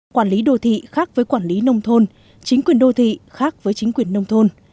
quản lý đô thị khác với quản lý nông thôn chính quyền đô thị khác với chính quyền nông thôn